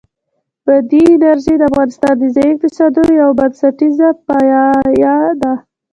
بادي انرژي د افغانستان د ځایي اقتصادونو یو بنسټیز پایایه دی.